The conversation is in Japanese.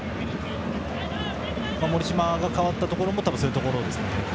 森島が代わったところも多分、そういったところですね。